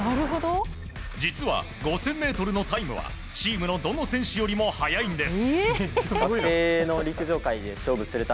実は５０００ｍのタイムはチームのどの選手よりも速いんです。